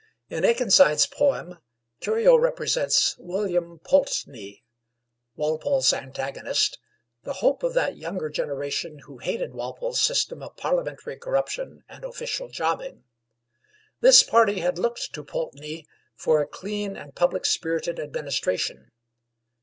In Akenside's poem, Curio represents William Pulteney, Walpole's antagonist, the hope of that younger generation who hated Walpole's system of parliamentary corruption and official jobbing. This party had looked to Pulteney for a clean and public spirited administration.